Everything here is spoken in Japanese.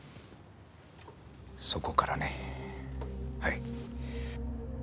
そこからねはい。